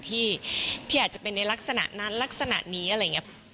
ที่อาจจะเป็นในลักษณะนั้นลักษณะนี้อะไรอย่างนี้